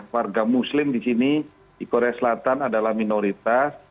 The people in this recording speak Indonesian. warga muslim di sini di korea selatan adalah minoritas